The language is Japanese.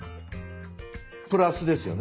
プラスですよね？